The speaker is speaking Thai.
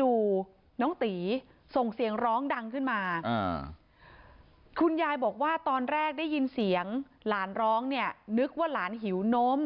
จู่น้องตีส่งเสียงร้องดังขึ้นมาคุณยายบอกว่าตอนแรกได้ยินเสียงหลานร้องเนี่ยนึกว่าหลานหิวนม